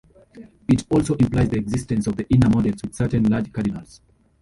It also implies the existence of inner models with certain large cardinals.